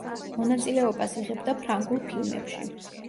მონაწილეობას იღებდა ფრანგულ ფილმებში.